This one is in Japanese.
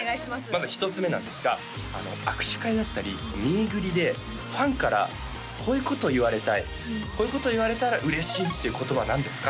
まず１つ目なんですが握手会だったりミーグリでファンからこういうことを言われたいこういうことを言われたら嬉しいっていう言葉は何ですか？